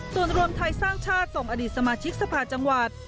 ส่วนรวมไทยสร้างชาติส่งอดีตสมาชิกสภาจังหวัด